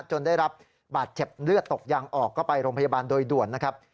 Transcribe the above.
ได้รับบาดเจ็บเลือดตกยางออกก็ไปโรงพยาบาลโดยด่วนนะครับ